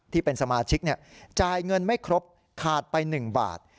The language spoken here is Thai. ที่เป็นสมาชิกจ่ายเงินไม่ครบขาดไป๑บาท